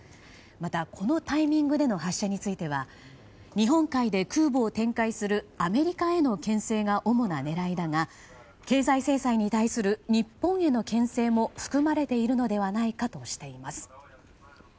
また、このタイミングでの発射については日本海で空母を展開するアメリカへの牽制が主な狙いだが経済制裁に対する日本への牽制も含まれているのではないかとしています。